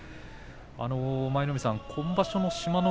舞の海さん、今場所の志摩ノ